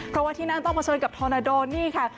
เพราะว่าที่นั่นต้องเผชิญกับทอนาโดนี่ค่ะ